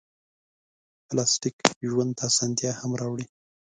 پلاستيک ژوند ته اسانتیا هم راوړي.